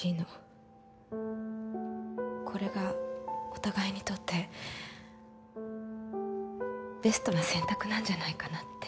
これがお互いにとってベストな選択なんじゃないかなって。